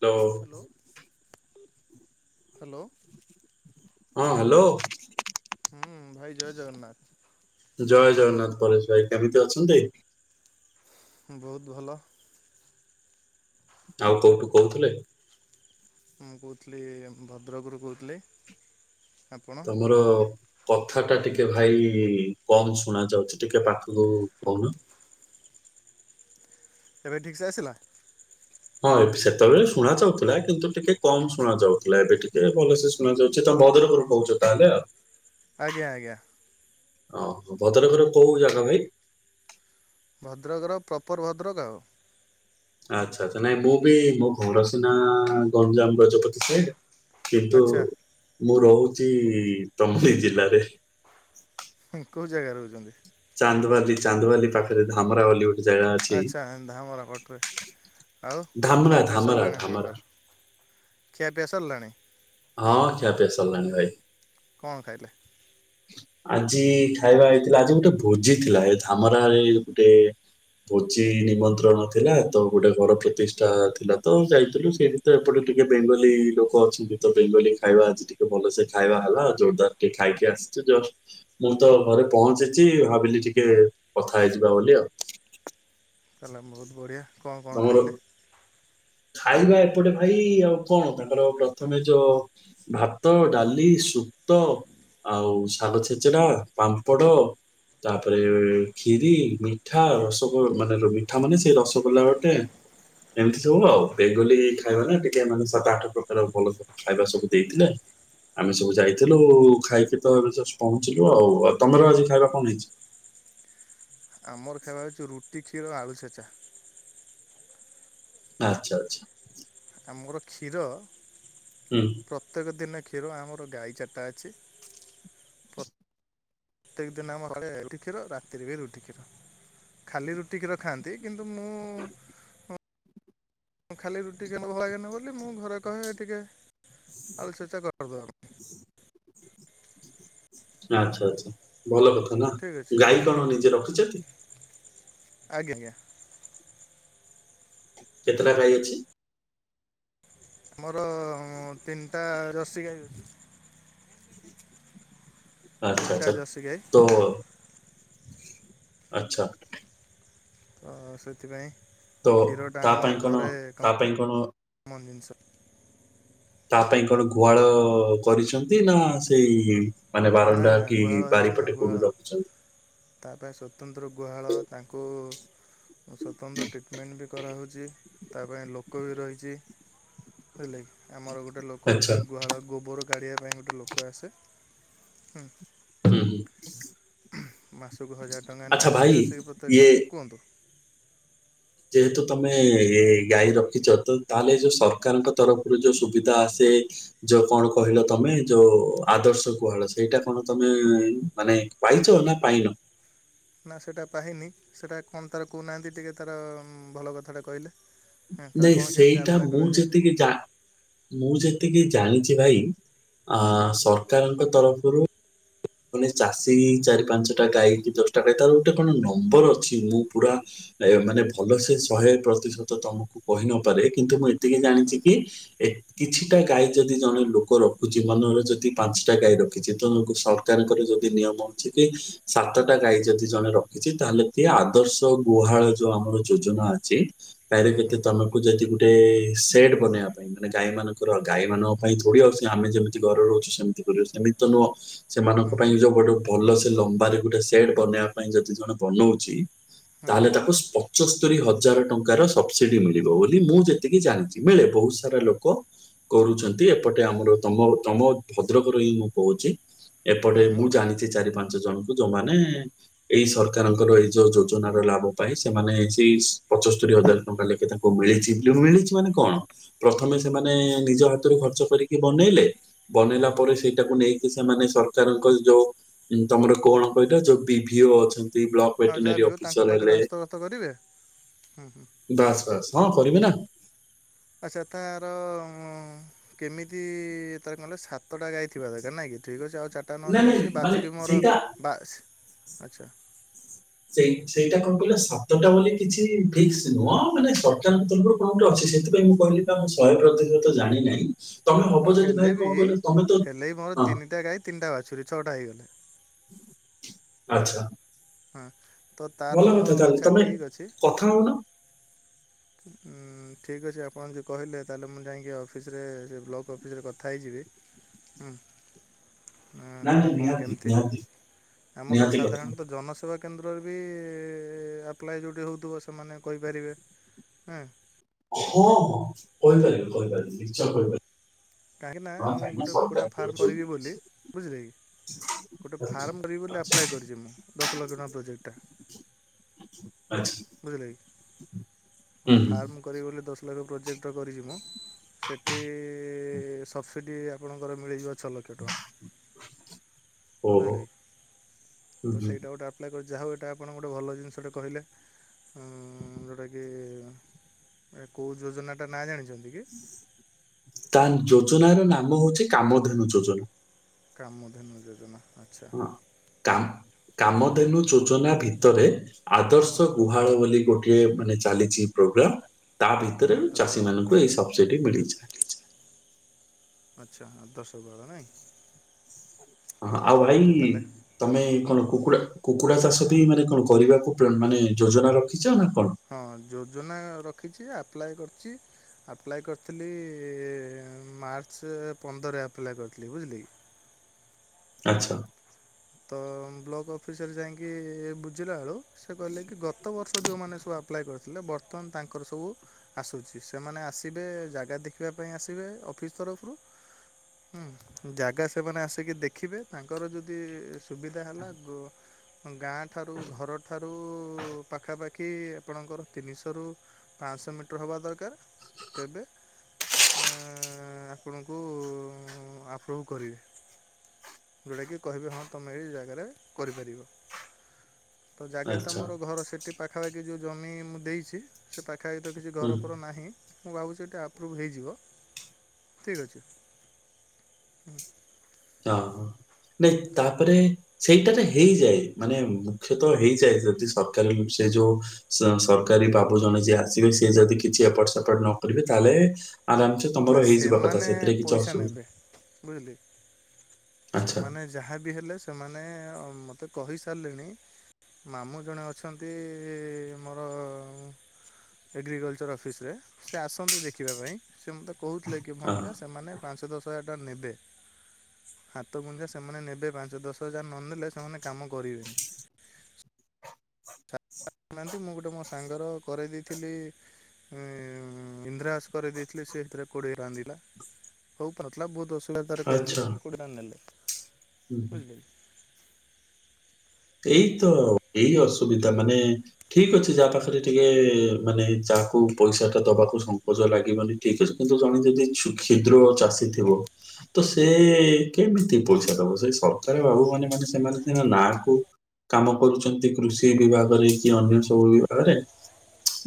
Hello hello hello. ହଁ hello. ହୁଁ ଭାଇ ଜୟ ଜଗନ୍ନାଥ। ଜୟ ଜଗନ୍ନାଥ ପରେଶ ଭାଇ କେମିତି ଅଛନ୍ତି? ହଁ ବୋହୁତ ଭଲ। ଆଉ କୋଉଠୁ କହୁଥିଲେ? ମୁଁ କହୁଥିଲି ଭଦ୍ରକରୁ କହୁଥିଲି। ଆପଣ ତମର କଥା ଟା ଟିକେ ଭାଇ କମ୍ ଶୁଣା ଯାଉଛି ଟିକେ ପାଖକୁ କହୁନ। ଏବେ ଠିକସେ ଆସିଲା? ହଁ ଏବେ ସେତେବେଳେ ଶୁଣା ଯାଉଥିଲା କିନ୍ତୁ ଟିକେ କମ ଶୁଣା ଯାଉଥିଲା ଏବେ ଟିକେ ଭଲସେ ଶୁଣାଯାଉଛି ତ ଭଦ୍ରକରୁ କହୁଛ ତାହେଲେ ଆଉ। ଆଜ୍ଞା ଆଜ୍ଞା। ହଁ ଭଦ୍ରକର କୋଉ ଜାଗା ଭାଇ? ଭଦ୍ରକର ପ୍ରପର୍ ଭଦ୍ରକ ଆଉ। ଆଛା ଆଛା ନାଇଁ ମୁଁ ବି ମୋ ଘର ସିନା ଗଞ୍ଜାମ ଗଜପତି ସେ କିନ୍ତୁ ଆଚ୍ଛା ମୁଁ ରହୁଛି ତମରି ଜିଲ୍ଲାରେ। ହୁଁ କଉ ଜାଗାରେ ରହୁଛନ୍ତି? ଚାନ୍ଦବାଲି ଚାନ୍ଦବାଲି ପାଖରେ ଧାମରାବାଲି ଗୋ ଆଚ୍ଛା ଆନ୍ଧାମଳ ପଟ୍ରେ। ଆଉ ଧାମରା ଖାଇବା ପିଆ ଧାମରା ସର୍ଲାଣି ଧାମରା ଆପଣଙ୍କର ଖିଆ ପିଆ ସାର୍ଲାଣି? ହଁ ଖିଆପିଆ ସର୍ଲାଣି ଭାଇ। ଙ୍କ ଖାଇଲେ? ଆଜି ଖାଇବା ହେଇଥିଲା ଆଜି ଗୋଟେ ଭୋଜି ଥିଲା ଏ ଧାମରାରେ ଗୋଟେ ଭୋଜି ନିମନ୍ତ୍ରଣ ଥିଲା ତ ଗୋଟେ ଘର ପ୍ରତିଷ୍ଠା ଥିଲା ତ ଯାଇଥିଲୁ ସେଇ ତ ଏପଟେ ଟିକେ ବେଙ୍ଗଲୀ ଲୋକ ଅଛି ତ ବେଙ୍ଗଲୀ ଖାଇବା ଆଜି। ଟିକେ ଭଲସେ ଖାଇବା ହେଲା ଜୋର୍ଦାର୍ ଟିକେ ଖାଇକି ଆସ୍ ସେ ଜର୍ ମୁଁ ତ ଘରେ ପହଞ୍ଚିଚି ଭାବିଲି ଟିକେ କଥା ହେଇଯିବା ବୋଲି ଆଉ। ତାହେଲେ ବୋହୁତ୍ ବଢ଼ିଆ କଣ କଣ ତମର ଖାଇଲେ? ଖାଇବା ଏପଟେ ଭାଇ ଆଉ କଣ ତାଙ୍କର ପ୍ରଥମେ ଜ ଭାତ, ଡାଲି, ସୁତ ଆଉ ଶାଗ ଛେଚେଡା ପାମ୍ପଡ଼। ତାପରେ କ୍ଷୀରି ମିଠା ରସଗୋ ମାନେ ମିଠା ମାନେ ସେଇ ରସଗୋଲା ଗୋଟେ ଏମ୍ତି। ତୁନ ବେଙ୍ଗଲି ଖାଇବା ଟା ଟିକେ ମାନେ ସାତ ଆଠ ପ୍ରକାର ଭଲସେ ଖାଇବା ସବୁ ଦେଇଥିଲେ ଆମେ ସବୁ ଯାଇଥିଲୁ ଖାଇକି ତ ଏବେ ଜଷ୍ଟ୍ ପହଞ୍ଚିଲୁ ଆଉ ଆଉ ତମର ଆଜି ଖାଇବା କଣ ହେଇଚି? ଆମର ଖାଇବା ହେଉଛି ରୁଟି କ୍ଷୀର ଆଳୁ ଛେଚା। ଆଚ୍ଛା ଆଚ୍ଛା। ଆମର କ୍ଷୀର ହୁଁ। ପ୍ରତ୍ୟେକ ଦିନ କ୍ଷୀର ଆମର ଗାଈ ଚାର୍ଟା ଅଛି। [inaudible] ପ୍ରତ୍ୟେକ ଦିନ ଆମ ଘରେ ରୁଟି କ୍ଷୀର ରାତିରେ ବି ରୁଟିି କ୍ଷୀର। ଖାଲି ରୁଟି କ୍ଷୀର ଖାଆନ୍ତି କିନ୍ତୁ ମୁଁ ଖାଲି ରୁଟି କ୍ଷୀର ଭଲ୍ ଲାଗେନା ବୋଲି ମୁଁ ଘରେ କହେ ଟିକେ ଆଳୁ ଛେଚା କର୍ଦବା। [inaudible] ଆଚ୍ଛା ଆଚ୍ଛା ଭଲ କଥା ନା ଠିକ୍ ଅଛି। ଗାଈ କଣ ନିଜେ ରଖିଚତି? ଆଜ୍ଞା ଆଜ୍ଞା। କେତେଟା ଗାଈ ଅଛି? ମୋର ତିନ୍ଟା ରସି ଗାଈ ଅଛି। ଆଚ୍ଛା ତିନିଟା ଆଚ୍ଛା ଜର୍ସି ଗାଈ ତୋବଳ ଆଚ୍ଛା। ତ ସେଥିପାଇଁ ତ କ୍ଷୀରଟା ତା ଆମ ପାଇଁ କଣ ଘରେ ତା ପାଇଁ କଣ କମନ୍ ଜିନ୍ଷ। ତା ପାଇଁ କଣ ଗୁହାଳ କରିଛନ୍ତି ନା ସେଇ ମାନେ ନା ବାରଣ୍ଡା ନା କି ଗୁହାଳ ହେଇଛି ନା ବାରିପଟେ ଗୁହାଳ କୋଉଠି ରଖ୍ଛ? ତା ପାଇଁ ସ୍ୱତନ୍ତ୍ର ଗୁହାଳ ତାଙ୍କୁ ଆଉ ସ୍ୱତନ୍ତ୍ର ଟ୍ରିଟ୍ମେଣ୍ଟ୍ ବି କରାହଉଚି ତା ପାଇଁ ଲୋକ ବି ରହିଚି ହେଲାକି ଆମର ଗୋଟେ ଲୋକ ଆଚ୍ଛା ଜଉଟା ଗୁହାଳ ଗୋବର କାଢ଼ିବା ପାଇଁ ଗୋଟେ ଲୋକ ଆସେ ହୁଁ। ହୁଁ। ମାସକୁ ହଜାର୍ ଟଙ୍କା ଆଚ୍ଛା ନିଏ ସେ ଭାଇ ଆସିକି ପ୍ରତେକ୍ ଇଏ ଦିନ କୁହନ୍ତୁ। ଯେହେତୁ ତମେ ଏ ଗାଈ ରଖିଚ ତ ତାଲେ ଏଇ ଯୋଉ ସର୍କାର୍ଙ୍କ ତରଫରୁ ଯୋଉ ସୁବିଧା ଆସେ ଯୋଉ କଣ କହିଲ ତମେ ଯୋଉ ଆଦର୍ଶ ଗୁହାଳ ସେଇଟା କଣ ତମେ ମାନେ ପାଇଛୁ ନା ପାଇନ। ନାଁ ସେଟା ପାହିନି ସେଟା କଣ ତାର କହୁନାହାଁନ୍ତି ଟିକେ ତାର ଭଲ କଥାଟା କହିଲେ। ହଁ ତାର ଯେ କଣ କେମିତି ସେଇଟା ଆପ୍ଲାଏ ମୁଁ କରାଯାଏ ଯେତିକି ଜା ମୁଁ ଯେତିକି ଜାଣିଚି ଭାଇ ଆ ଆଜ୍ଞା ସରକାରଙ୍କ ତରଫରୁ ମାନେ ଚାଷୀ ଚାରି ପାଞ୍ଚଟା ଗାଈ କି ଦଶଟା ଗାଈ ତାର ଗୋଟେ କଣ ନମ୍ବର ଅଛି ମୁଁ ପୁରା ସି ଏମାନେ ଭଲ ସେ ଶହେ ପ୍ରତିଶତ ତମକୁ କହିନପାରେ କିନ୍ତୁ ମୁଁ ଏତିକି ହୁଁ ହୁଁ ଜାଣିଚିକି ଏ କିଛିଟା ଗାଈ ଯଦି ଜଣେ ଲୋକ ରଖୁଚି ମନରେ ଯଦି ପାଞ୍ଚଟା ଗାଈ ରଖିଛି ତମକୁ ସ ତେଣୁ କରି ଯଦି ନିୟମ ଅଛିକି ସାତଟା ଗାଈ ଯଦି ଜଣେ ରଖିଛି ତାହେଲେ ସିଏ ଆଦର୍ଶ ଗୁହାଳ ଯୋଉ ଆମର ଯୋଜନା ଅଛି ଡାଇରେକ୍ଟ ହୁଁ ଦେଖେ ହୁଁ ତମକୁ ଜଦି ଗୁଟେ ସେଟ୍ ବନେଇବା ପାଇଁ ମାନେ ଗାଈ ମାନଙ୍କର ଗାଈ ମାନଙ୍କ ପାଇଁ ଥୋଡି ଆଉ ସେ ଆମେ ଯେମିତି ଘରେ ରହୁଚୁ ସେମିତି ପରିବେଶ ସେମିତି ତ ନୁହଁ। ସେମାନଙ୍କ ହୁଁ ପାଇଁ ଯୋଉ ଗୋଟେ ଭଲ ସେ ଲମ୍ବାରେ ଗୋଟେ ସେଟ୍ ବନେଇବା ପାଇଁ ଯେଦି ଜଣେ ବନଉଚି ହୁଁ ହୁଁ ତାହେଲେ ହୁଁ ତାକୁ ପ ଞ୍ଚସ୍ତରୀ ହଜାର ଟଙ୍କାର ସବସିଡି ମିଳିବ ବୋଲି ମୁଁ ଯେତିକି ଜାଣିଚି ମିଳେ ବୋହୁତ ସାରା ଲୋକ କରୁଛନ୍ତି ଏପଟେ ଆମର ତମ ତମ ଭଦ୍ରକର ହିଁ ମୁଁ କହୁଚି ହୁଁ ଏପଟେ ହୁଁ ମୁଁ ଜାଣିଚି ଚାରି ପାଞ୍ଚ ଜଣଙ୍କୁ ଯୋଉମାନେ ଏଇ ସରକାରଙ୍କର ଏଇ ଯୋଉ ଯୋଜନାର ଲାଭ ପାଇଁ ସେମାନେ ହେଇ ସେଇ ପଞ୍ଚସ୍ତରୀ ହଜାର ଟଙ୍କା ଲେଖିଥାନ୍ତି କୋଉ ମିଳିଛି ମିଳିଛି ମାନେ କଣ ପ୍ରଥମେ ସେମାନେ ନିଜ ହାତରୁ ଖର୍ଚ୍ଚ କରିକି ବନେଇଲେ ହୁଁ ବନେଇଲା ହୁଁ ପରେ ସେଇଟାକୁ ନେଇକି ସେମାନେ ସରକାରଙ୍କ ଯୋଉ ତମର କଣ କହିଲ ଯୋଉ ବି ଡିଓ ଅଛନ୍ତି ବ୍ଲକ୍ ହଁ ଯାହା ଭେଟେନାରୀ ବି ହଉ ତାଙ୍କ ଅଫିସର୍ ପାଖରେ ହେଲେ ହସ୍ତଗତ କରିବେ ହୁଁ ହୁଁ ବାସ୍ ବାସ୍ ହଁ କରିବିନା ଆଛା ତାର କେମିତି ତାର କଣ କହିଲ ସାତଟା ଗାଈ ଥିବା ଦରକାର ନାଇଁ କି ଠିକ୍ ଅଛି ଆଉ ଛ ଟା ନ ନାଇଁ ନେଇ ନାଇଁ ଆସି ମାନେ ବାଛୁରୀ ଟି ମୋର ସେଇଟା ବାସ୍ ଆଛା ସେଇ ସେଇଟା କଣ କହିଲ ସାତଟା ବୋଲି କିଛି ଫିକ୍ସ ନୁହଁ ମାନେ ସରକାରଙ୍କ ତରଫରୁ କୋଉଠି ଅଛି ସେଥିପାଇଁ ମୁଁ କହିଲି ବା ମୁଁ ଶହେ ପ୍ରତିଶତ ଜାଣିିନହିଁ ହଁ ହେଲେ ବି ହେଲେ ମୋର ହଁ ତିନିଟା ଗାଈ ତିନିଟା ବାଛୁରୀ ଛଅଟା ହେଇଗଲେ ଆଛା ହଁ ତ ତାର ଆଛା ଠିକ୍ ଅଛି ଥୋଉନ ଉଁ ଠିକ୍ ଅଛି ଆପଣ ଯଦି କହିଲେ ତାହେଲେ ମୁଁ ଯାଇକି ଅଫିସରେ ସେ ବ୍ଲକ୍ ଅଫିସରେ କଥା ହେଇଯିବି। ହୁଁ ହୁଁ ତାହେଲେ ନାଇଁ ଆଉ ନାଇଁ କଣ ନିହାତି କେମିତି ନିହାତି ଆମର ନିହାତି କଥା ହବ। ସାଧାରଣତଃ ଜନସେବା କେନ୍ଦ୍ରରେ ବି ଆପ୍ଲାଏ ଯେଉଁଠି ହୋଉଥିବ ସେମାନେ କହିପାରିବେ କାହାକୁ ହ ହଁ କହିପାରିବି କହିପାରିବି ନିଶ୍ଚୟ କହିପାରିବି କାହିଁକି ନାଁ ହଁ ମୁଁ କାହିଁକି ନା ଗୋଟେ କକୁଡ଼ା ସରକାରଙ୍କର ଫାର୍ମ ଯୋଉ ବି କରିବି ଅଛି। ବୋଲି ବୁଝିଲେ କି ଗୋଟେ ଆଚ୍ଛା ଫାର୍ମ କରିବି ବୋଲି ଆଚ୍ଛା ଆପ୍ଲାଏ କରିଚି ମୁଁ ଦଶ ଲକ୍ଷ ଟଙ୍କା ପ୍ରୋଜେକ୍ଟ ଟା ଆଚ୍ଛା ବୁଝିଲେକି ହୁଁ ଗୋଟେ ହୁଁ, ଫାର୍ମ କରିବି ବୋଲି ଦଶ ଲକ୍ଷ ପ୍ରୋଜେକ୍ଟଟା କରିଛି ମୁଁ ସେଠି ସବସିଡି ଆପଣଙ୍କର ମିଳିଯିବ ଛ ଲ କ୍ଷ ଟଙ୍କା ଓହୋ ବୁଝିଲ କି ହୁଁ, ତ ହୁଁ। ସେଇଟା ଗୋଟେ ଆ ପ୍ଲାଏ କରି ଯାହା ହଉ ଏଇଟା ଆପଣ ଗୋଟେ ଭଲ ଜିନିଷଟେ କହିଲେ ଉଁ ଯୋଉଟାକି ଏ କୋଉ ଯୋଜନା ଟା ନାଁ ଜାଣିଛନ୍ତି କି? ତା ଯୋଜନାର ନାମ ହଉଛି କାମଧେନୁ ଯୋଜନା। କାମଧେନୁ ଯୋଜନା ଆଛା। କ - କାମଧେନୁ ଯୋଜନା ଭିତରେ ହଁ ହଁ ଆଦର୍ଶ ଗୁ ଭାଳ ବୋଲି ଗୋଟିଏ ମାନେ ଚାଲିଛି ପ୍ରୋଗ୍ରାମ ତା ଭିତରେ ବି ଆଦର୍ଶ ଚାଷୀ ଘର ମାନଙ୍କୁ ଏଇ ସବସିଟି ମିଳିଛି। ଆଚ୍ଛା ଆଦର୍ଶ ବାଳା ନାହିଁ। ହଁ ଆଉ ଭାଇ ତାହେଲେ ତମେ କଣ କୁହନ୍ତୁ କୁକୁଡ଼ା କୁକୁଡ଼ା ଚାଷ ବି ମାନେ କଣ କରିବାକୁ ପ୍ର ମାନେ ଯୋଜନା ରଖିଛ ନା କଣ? ହଁ ଯୋଜନା ରଖିଛି ଆପ୍ଲାଏ କରିଛି ଆପ୍ଲାଏ କରିଥିଲି ମାର୍ଚ୍ଚ ପନ୍ଦରରେ ଆପ୍ଲାଏ କରିଥିଲି ବୁଝିଲେକି। ଆଛା। ତ ବ୍ଲକ୍ ଅଫିସରେ ଯାଇକି ବୁଝିଲା ବେଳୁ ସେ କହିଲେ କି ଗତ ବର୍ଷ ଯୋଉ ମାନେ ନେ ସବୁ ଆପ୍ଲାଏ କରିଥିଲେ ବର୍ତ୍ତମାନ ତାଙ୍କର ସବୁ [unintelligible] ଆସୁଛି ସେମାନେ ଆସିବେ ଜାଗା ଦେଖିବା ପାଇଁ ଆସିବେ ଅଫିସ୍ ତରଫରୁ ହୁଁ ଜାଗା ସେମାନେ ଆସିକି ଦେଖିବେ ତାଙ୍କର ଯଦି ସୁବିଧା ହେଲା ଗାଁ ଠାରୁ ଘରଠାରୁ ପାଖାପାଖି କି ଆପଣଙ୍କର ତିନିଶହରୁ ପାଆଁଶହ ମିଟର ହେବା ଦରକାର ତେବେ ହଁ ଆପଣଙ୍କୁ ଆପ୍ରୁଭ୍ କରିବେ। ଯୋଉଟା କି କହିବେ ହଁ ତମେ ଏଇ ଜାଗାରେ କରିପାରିବ ତ ଜାଗା ଆଚ୍ଛା ତମର ଘର ସେଠି ପାଖାପାଖି ଯୋଉ ଜମି ମୁଁ ଦେଇଛି ସେ ପାଖାପାଖି ତ କିଛି ହୁଁ ଘର ଫର ନାହିଁ। ମୁଁ ଭାବୁଛି ଏଇଟା ଆପ୍ରୁଭ୍ ହେଇଯିବ ଠିକ୍ ଅଛି, ହୁ। ହଁ ନାଇଁ ତାପରେ ସେଇଟାରେ ହେଇଯାଏ ମାନେ ମୁଖ୍ୟତଃ ହେଇଯାଏ ଯଦି ସରକାର ସେ ଯୋଉ ସ - ସରକାରୀ ବାବୁ ଜଣେ ଯିଏ ଆସିବେ ସିଏ ଯଦି କିଛି ଏପଟ ସେପଟ ନ କରିବେ ତାହେଲେ ଆଛା ନା ତମର ହେଇଯିବା କଥା ସେମାନେ ସେଥିରେ କିଛି ପଇସା ଅସୁ ନେବେ ବୁଝିଲେ ଆଚ୍ଛା। ସେମାନେ ଯାହା ବିି ହେଲେ ସେମାନେ ମୋତେ କହି ସାରିଲେଣି ମାମୁଁ ଜଣେ ଅଛନ୍ତି ମୋର ଏଗ୍ରିକଲଚର ଅଫିସରେ ସେ ଆସନ୍ତି ଦେଖିବା ପାଇଁ ସେ ମୋତେ କହୁଥିଲେ କି ଅ ଭଣଜା ସେମାନେ ପାଞ୍ଚ ଦଶ ହଜାର ଟଙ୍କା ନେବେ। ହାତଗୁଞ୍ଜା ସେମାନେ ନେବେ ପାଞ୍ଚ ଦଶ ହଜାର ନନେଲେ ସେମାନେ କାମ କରିବେନି। ନାହାନ୍ତି ମୁଁ ଗୋଟେ ମୋ ସାଙ୍ଗର କରେଇ ଦେଇଥିଲି ମାନେ ଇନ୍ଦ୍ରାବାସ କରି ଦେଇଥିଲି ସେ ସେଇଥିରେ କୋଡିଏ ଟଙ୍କା ଦେଇଥିଲା [unintelligible] ହଉ ପାରୁଥିଲା ବହୁତ ଅସୁବିଧାରେ କରିଲି ଆଚ୍ଛା। କିନ୍ତୁ କୋଡିଏ ଟଙ୍କା ନେଲେ ହୁଁ ହୁଁ। ବୁଝିଲେ କି [unintelligible] ଏଇ ତ ଏଇ ଅସୁବିଧା ମାନେ ଠିକ୍ ଅଛି ଯାହା ପାଖରେ ଟିକେ ମାନେ ଯାହାକୁ ପଇସା ଟା ଦବାକୁ ସଂଙ୍କୋଚ ଲାଗିବନି ଠିକ୍ ଅଛି କିନ୍ତୁ ଜଣେ ଯଦି ଛୁ କ୍ଷିଦ୍ର ଚାଷୀ ଥିବ ତ ସେ କେମିତି ପଇସା ଦବ ସେ ସରକାର ବାବୁ ମାନେ ମାନେ ସେମାନେ ସିନା ନାଁକୁ କାମ କରୁଛନ୍ତି କୃଷି ବିଭାଗରେ କି ଅନ୍ୟ ସବୁ ବିଭାଗରେ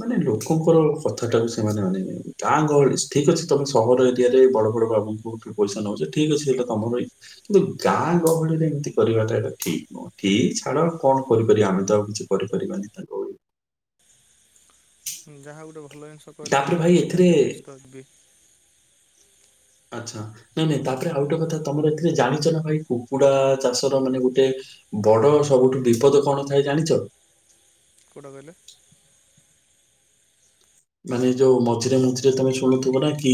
ମାନେ ଲୋକଙ୍କର କଥାଟାକୁ ସେମାନେ ମାନିବେ ଗାଁ ଗହଳି ଠିକ୍ ଅଛି [unintelligible] ତମେ ସହର ଏରିଆରେ ବଡ ବଡ ବାବୁଙ୍କୁ ଠାରୁ ପଇସା ନଉଛ ଠିକ୍ ଅଛି ସେଇଟା ତମ ପାଇଁ କିନ୍ତୁ ଗାଁ ଗହଳିରେ ଏମିତି କରିବାଟା ଏଟା ଠିକ୍ ନୁହଁ। ଏଇ ଛାଡ କଣ କରିପାରିବା ଆମେ ତ ଆଉ କିଛି କରିପାରିବାନି ତାଙ୍କ ଇଏ ତ ଯାହା ଗୋଟେ ଭଲ ଜିନିଷ କହିଲେ ତାପରେ ଭାଇ ସେଇଟାକୁ ନେଇ ଏଥିରେ କାଲି ମୁଁ ନିଶ୍ଚିତ ଯିବି। ଆଚ୍ଛା ନାଇଁ ନାଇଁ ତାପରେ ଆଉ ଗୋଟେ କଥା ତମର ଏଥିରେ ଜାଣିଛ ନା ନାଇଁ କୁକୁଡା ଚାଷର ମାନେ ଗୋଟେ ବଡ ସବୁଠୁ ବିପଦ କଣ ଥାଏ ଜାଣିଛ? କୋଉଟା କହିଲେ? ମାନେ ଯୋଉ ମଝିରେ ମଝିରେ ତମେ ଶୁଣୁଥିବ ନା କି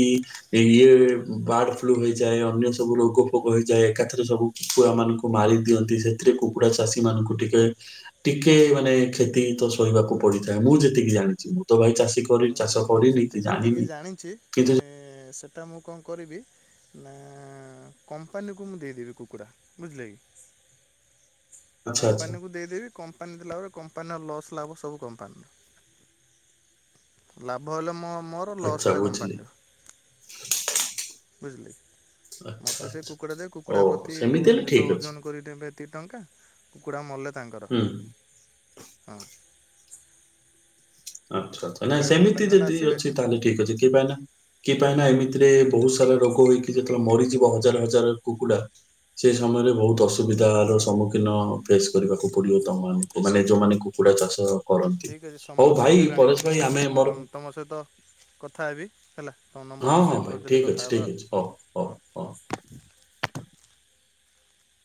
ଇଏ ବାର୍ଡ ଫ୍ଲୁ ହେଇଯାଏ ଅନ୍ୟ ସବୁ ରୋଗ ଫୋଗ ହେଇଯାଏ ଏକାଥରେ ସବୁ। କୁକୁଡ଼ା ମାନଙ୍କୁ ମାରି ଦିଅନ୍ତି ସେଥିରେ କୁକୁଡା ଚାଷୀ ମାନଙ୍କୁ ଟିକେ ଟିକେ ମାନେ କ୍ଷତି ତ ଶହିବାକୁ ପଡିଥାଏ ମୁଁ ଯେତିକି ଜାଣିଛି ମୁଁ ତ ଭାଇ ଚାଷୀ କରି ଚାଷ ମୁଁ କରିନି ସେଠି କି ଯେତିକି ଜାଣିନି ଜାଣିଛି କିନ୍ତୁ ଏଁ ସେଟା ମୁଁ କଣ କରିବି ନା କମ୍ପାନୀକୁ ମୁଁ ଦେଇଦେବି କୁକୁଡ଼ା ବୁଝିଲେ କି। ଆଚ୍ଛା ଆଚ୍ଛା କମ୍ପାନୀକୁ ଦେଇଦେବି କମ୍ପାନୀ ଦେଲା ପରେ କମ୍ପାନୀର ଲସ୍ ଲାଭ ସବୁ କମ୍ପାନୀର। ଭଲ ମୋ ମୋର ଲସ୍ ଆଚ୍ଛା ହେଲେ ବୁଝିଲି କମ୍ପାନୀର। ବୁଝିଲେ ଆଚ୍ଛା ମତେ ସେ ଆଚ୍ଛା କୁକୁଡ଼ା ଦେବେ କୁକୁଡ଼ା ଦେବେ କୁକୁଡ଼ା ଓହୋ ପ୍ରତି କୋ ସେମିତି ହେଲେ ଯେତେବେଳେ ଠିକ ଅଛି ଓଜନ କରିକି ଦେମି ଭାଇ ଏତିକି ଟଙ୍କା କୁକୁଡ଼ା ମଲେ ତାଙ୍କର ହୁଁ ହଁ। ଆଚ୍ଛା ଆଚ୍ଛା ନାଇଁ କୁକୁଡ଼ା କମ୍ପାନୀ ସେମିତି ବାଲା ଯଦି ଆସିବେ ଅଛି ତାହେଲେ ଠିକ ଅଛି କିଏ ପାଇଁ ନା କି ପାଇଁ ନା ଏମିତିରେ ବହୁତ ସାରା ରୋଗ ହେଇକି ଯେତେବେଳେ ମରିଯିବ ହଜାର ହଜାର କୁକୁଡା ସେଇ ସମୟରେ ବହୁତ ଅସୁ ସୁବିଧାର ହୁଁ ସମ୍ମୁଖୀନ ଫେସ୍ କରିବାକୁ ପଡ଼ିବ ତମମାନଙ୍କୁ ମାନେ ଯେଉଁମାନେ କୁକୁଡ଼ା ଚାଷ କରନ୍ତି। ଠିକ୍ ଅଛି ସମୟ ହଉ ତ ଭାଇ ହେଇଗଲାଣି ପରେଶ ମୁଁ ଭାଇ ଆମେ ଅ ମୋର ତମ ସହିତ କଥା ହେବି ହେଲା ତମ ହଁ ନମ୍ବରଟା ହଁ ସେଭ୍ ଭାଇ କରିଦେଲି ଠିକ ଅଛି କଥା ଠିକ ହେବା ଅଛି ହଉ ହଉ ଆଉ ହୋଉ ହଉ। ହୋଉ।